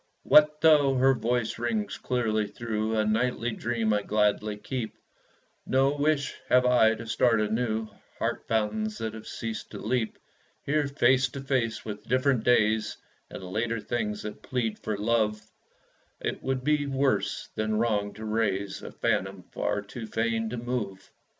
What though her voice rings clearly through A nightly dream I gladly keep, No wish have I to start anew Heart fountains that have ceased to leap. Here, face to face with different days, And later things that plead for love, It would be worse than wrong to raise A phantom far too fain to move.